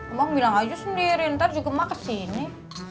emang bilang aja sendiri ntar juga emak kesini